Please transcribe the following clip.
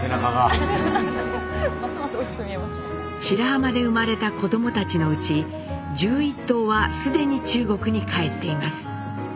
白浜で生まれた子どもたちのうち１１頭は既に中国に帰っています。